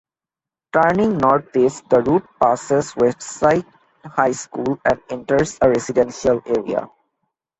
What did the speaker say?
Turning northeast, the route passes Westside High School and enters a residential area.